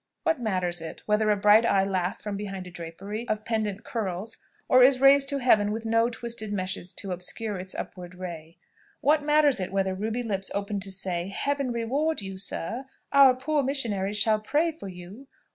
What matters it, whether a bright eye laugh from beneath a drapery of pendent curls, or is raised to heaven with no twisted meshes to obscure its upward ray? What matters it whether ruby lips open to say, "Heaven reward you, sir! Our poor missionaries shall pray for you!"